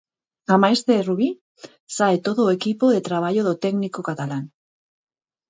Amais de Rubi, sae todo o equipo de traballo do técnico catalán.